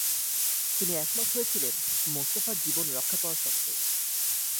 তিনি একমত হয়েছিলেন, মোস্তফার জীবন রক্ষা পাওয়ার শর্তে।